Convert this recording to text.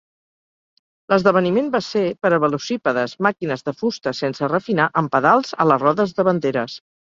L'esdeveniment va ser per a velocípedes, màquines de fusta sense refinar amb pedals a les rodes davanteres.